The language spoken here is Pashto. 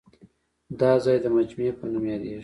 دا ځای د مجمع په نوم یادېږي.